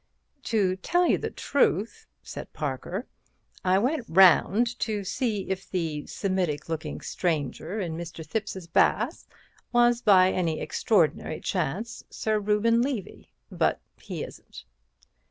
"To tell you the truth," said Parker, "I went round to see if the Semitic looking stranger in Mr. Thipps's bath was by any extraordinary chance Sir Reuben Levy. But he isn't."